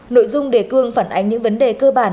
nội dung đề cương phản ánh những vấn đề cơ bản